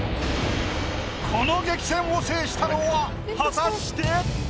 この激戦を制したのは果たして。